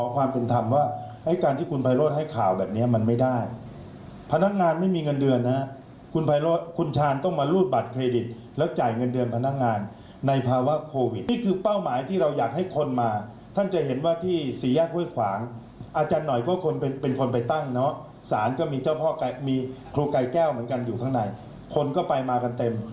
กลายแก้วเหมือนกันอยู่ข้างในคนก็ไปมากันเต็ม